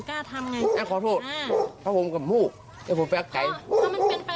อ่าหน้ากรรมความใจอยู่